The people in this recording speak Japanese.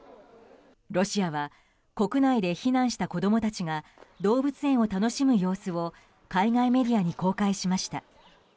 ロシアは国内で避難した子供たちが動物園を楽しむ様子を海外メディアに公開しました。